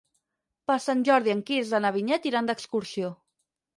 Per Sant Jordi en Quirze i na Vinyet iran d'excursió.